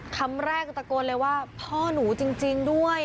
คำแรกตะโกนเลยว่าพ่อหนูจริงด้วย